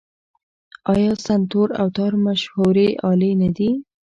آیا سنتور او تار مشهورې الې نه دي؟